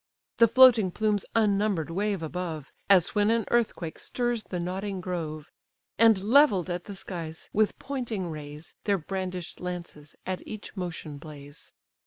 The floating plumes unnumber'd wave above, As when an earthquake stirs the nodding grove; And levell'd at the skies with pointing rays, Their brandish'd lances at each motion blaze.